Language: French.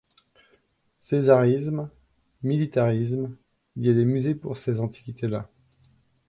Césarisme, militarisme, il y a des musées pour ces antiquités-là.